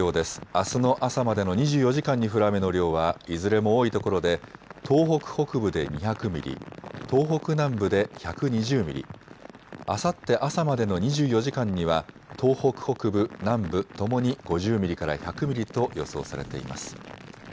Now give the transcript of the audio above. あすの朝までの２４時間に降る雨の量はいずれも多いところで東北北部で２００ミリ、東北南部で１２０ミリ、あさって朝までの２４時間には東北北部、南部ともに５０ミリから１００ミリと予想されています。